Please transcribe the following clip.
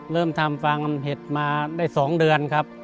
เริ่มทำฟางเห็ดมาได้๒เดือนครับ